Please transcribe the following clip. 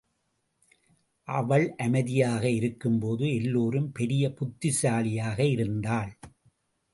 அவள் அமைதியாக இருக்கும்போது எல்லோருக்கும் பெரிய புத்திசாலியாக இருந்தாள்.